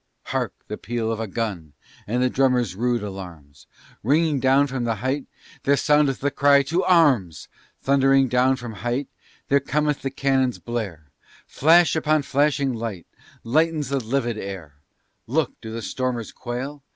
Hark, the peal of a gun! and the drummer's rude alarms! Ringing down from the height there soundeth the cry, To arms! Thundering down from the height there cometh the cannon's blare; Flash upon blinding flash lightens the livid air: Look! do the stormers quail?